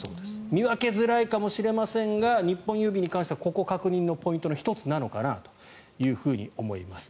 見分けづらいかもしれませんが日本郵便に関してはここが確認のポイントの１つなのかなと思います。